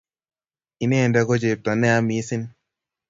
inende ko chepto neya mising